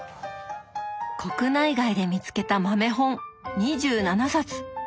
国内外で見つけた豆本２７冊！